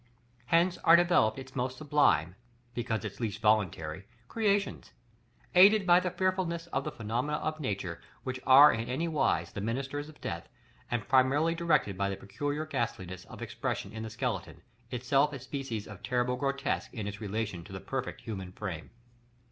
Hence are developed its most sublime, because its least voluntary, creations, aided by the fearfulness of the phenomena of nature which are in any wise the ministers of death, and primarily directed by the peculiar ghastliness of expression in the skeleton, itself a species of terrible grotesque in its relation to the perfect human frame.